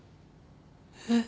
えっ？